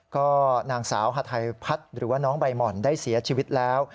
ก็นางสาวฮาไทพัฒน์หรือว่าน้องใบหม่อนได้เสียชีวิตแล้ว